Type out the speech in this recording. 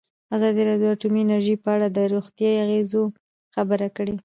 ازادي راډیو د اټومي انرژي په اړه د روغتیایي اغېزو خبره کړې.